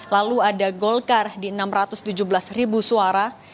lalu ada golkar di enam ratus tujuh belas ribu suara